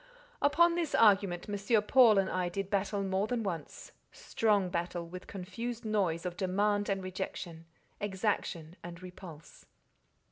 Upon this argument M. Paul and I did battle more than once—strong battle, with confused noise of demand and rejection, exaction and repulse.